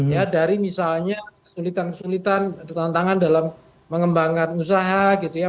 ya dari misalnya kesulitan kesulitan atau tantangan dalam mengembangkan usaha gitu ya